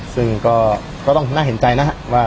ซึ่งก็ต้องมีด้านหน้าเห็นใจนะฮะ